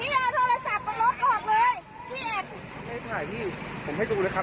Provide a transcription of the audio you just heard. พี่เอาโทรศัพท์ตรงรถออกเลยไม่ได้ถ่ายพี่ผมให้ดูเลยครับ